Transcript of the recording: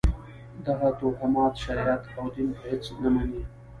دغه توهمات شریعت او دین په هېڅ نه مني.